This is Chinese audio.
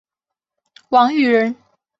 王羽人。